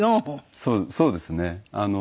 そうですね。